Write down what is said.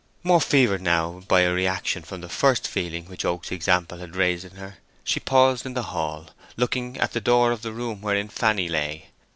More fevered now by a reaction from the first feelings which Oak's example had raised in her, she paused in the hall, looking at the door of the room wherein Fanny lay.